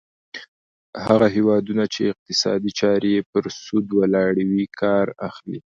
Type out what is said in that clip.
هغه هیوادونه چې اقتصادي چارې یې پر سود ولاړې وي کار اخلي.